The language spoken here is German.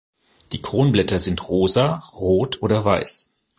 Die Kronblätter sind rosa, rot oder weiß.